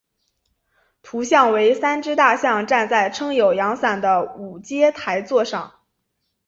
图像为三只大象站在撑有阳伞的五阶台座上。